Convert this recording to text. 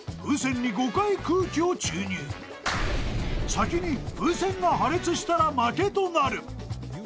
［先に風船が破裂したら負けとなる］